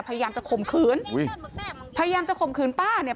พยายามจะข่มขืนอุ้ยพยายามจะข่มขืนป้าเนี่ย